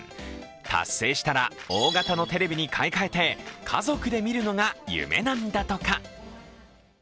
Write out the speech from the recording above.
達成したら大型のテレビに買い替えて家族で見るのが夢なんだとか。